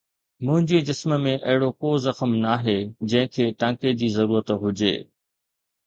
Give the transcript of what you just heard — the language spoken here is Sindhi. منهنجي جسم ۾ اهڙو ڪو زخم ناهي جنهن کي ٽانڪي جي ضرورت هجي